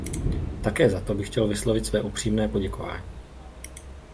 Také za to bych chtěl vyslovit své upřímné poděkování.